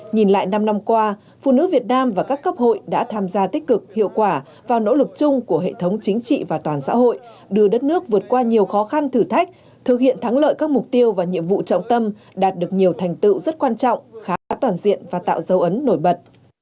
nhìn lại năm năm qua phụ nữ việt nam và các cấp hội đã tham gia tích cực hiệu quả vào nỗ lực chung của hệ thống chính trị và toàn xã hội đưa đất nước vượt qua nhiều khó khăn thử thách thực hiện thắng lợi các mục tiêu và nhiệm vụ trọng tâm đạt được nhiều thành tựu rất quan trọng khá toàn diện và tạo dấu ấn nổi bật